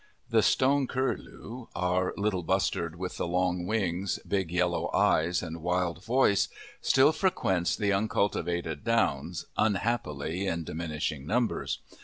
The stone curlew, our little bustard with the long wings, big, yellow eyes, and wild voice, still frequents the uncultivated downs, unhappily in diminishing numbers.